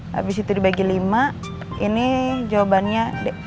habis itu dibagi lima ini jawabannya delapan puluh empat